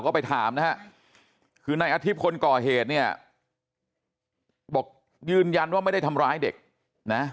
ก็ไปถามนะฮะคือนายอาทิตย์คนก่อเหตุเนี่ยบอกยืนยันว่าไม่ได้ทำร้ายเด็กนะ